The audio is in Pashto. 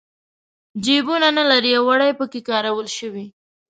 جېبونه نه لري او وړۍ پکې کارول شوي.